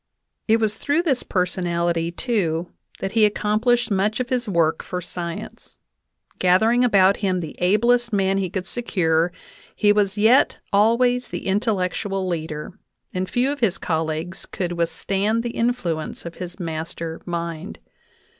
It was through this personality, too, that he accom plished much of his work for science. Gathering about him the ablest men he could secure, he was yet always the intel lectual leader, and few of his colleagues could withstand the influence of his master mind.